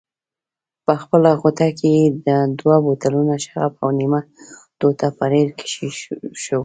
په خپله غوټه کې یې دوه بوتلونه شراب او نیمه ټوټه پنیر کېښوول.